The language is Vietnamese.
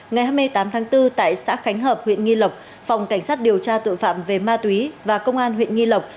ngày hai mươi tám tháng bốn tại xã khánh hợp huyện nghi lộc phòng cảnh sát điều tra tội phạm về ma túy và công an huyện nghi lộc